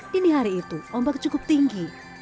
dini hari itu ombak cukup tinggi